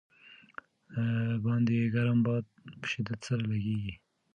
باندې ګرم باد په شدت سره لګېږي.